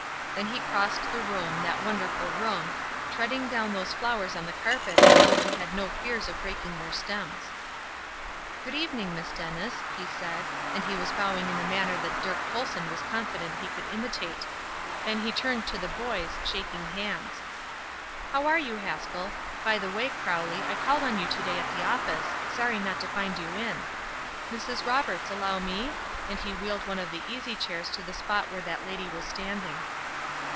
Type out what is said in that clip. Then he crossed the room, that wonderful room, treading down those flowers on the carpet as though he had no fears of breaking their stems. "Good evening, Miss Dennis," he said, and he was bowing in a manner that Dirk Colson was confident he could imitate. Then he turned to the boys, shaking hands: "How are you, Haskell? By the way, Crowley, I called on you to day at the office; sorry not to find you in." "Mrs. Roberts, allow me?" And he wheeled one of the easy chairs to the spot where that lady was standing.